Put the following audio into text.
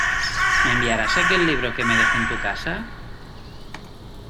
¿Me enviarás aquel libro que me dejé en tu casa?